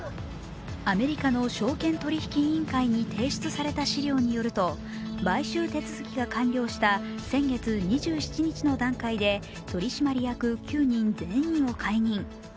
アメリカの証券取引委員会に提出された資料によると買収手続きが完了した先月２７日の段階で取締役９人全員を解任。